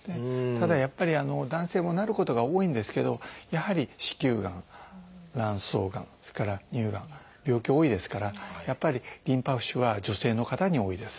ただやっぱり男性もなることが多いんですけどやはり子宮がん卵巣がんそれから乳がん病気多いですからやっぱりリンパ浮腫は女性の方に多いです。